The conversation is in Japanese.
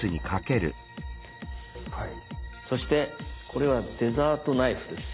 そしてこれはデザートナイフです。